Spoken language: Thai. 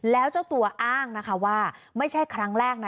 แล้วเจ้าตัวอ้างนะคะว่าไม่ใช่ครั้งแรกนะ